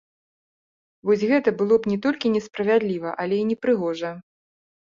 Вось гэта было б не толькі несправядліва, але і непрыгожа.